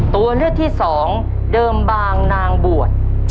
ตัวเลือกที่สองเดิมบางนางบวช